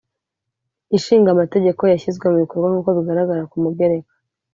Ishinga Amategeko yashyizwe mu bikorwa nk uko bigaragara ku mugereka